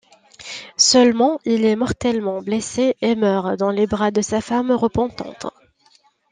Seulement il est mortellement blessé et meurt dans les bras de sa femme repentante.